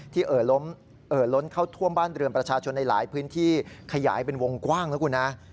เอ่อล้นเข้าท่วมบ้านเรือนประชาชนในหลายพื้นที่ขยายเป็นวงกว้างนะคุณฮะ